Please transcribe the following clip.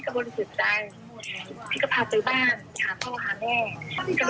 กะพาซซื้อบ้านต้องโอนอยู่แล้วค่ะเพราะว่าก็เป็นแสดงการ